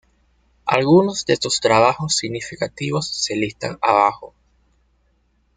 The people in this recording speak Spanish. Algunos de sus trabajos significativos se listan abajo.